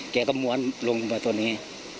แกก็มวนลงมาตรงนี้